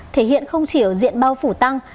thể hiện không chỉ diện bao phủ tăng